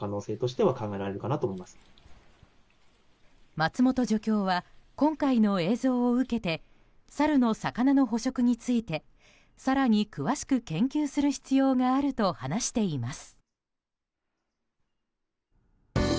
松本助教は今回の映像を受けてサルの魚の捕食について更に詳しく研究する必要があると話しています。